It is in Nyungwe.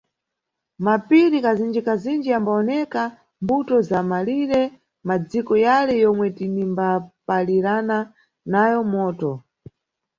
Mapiri kazinji-kazinji yambawoneka mbuto za mʼmalire madziko yale yomwe tinimbapalirana nayo moto.